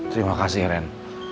terima kasih ren